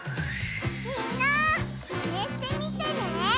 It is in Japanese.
みんなマネしてみてね！